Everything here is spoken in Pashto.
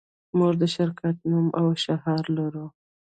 موږ د شرکت نوم او شعار لرو